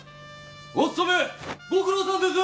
お勤めご苦労さんです！